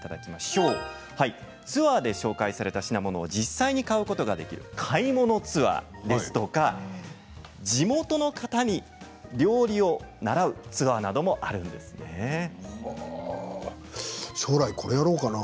ツアーで紹介された品物を実際に買うことができる買い物ツアーや地元の方に料理を習うツアー将来これやろうかな。